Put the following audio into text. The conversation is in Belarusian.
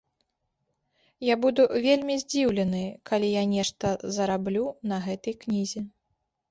Я буду вельмі здзіўлены, калі я нешта зараблю на гэтай кнізе.